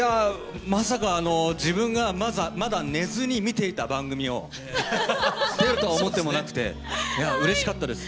まさか自分がまだ寝ずに見ていた番組を出るとは思ってもなくてうれしかったです